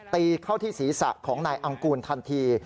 ตีเข้าที่ศีรษะของนายอังกูลทันที